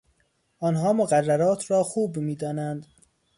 آنها مقررات را خوب میدانند.